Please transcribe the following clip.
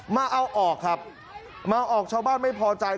มาเอาออกครับมาออกชาวบ้านไม่พอใจ